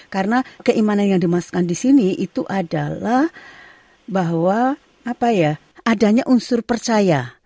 karena keimanan yang dimasukkan di sini itu adalah bahwa adanya unsur percaya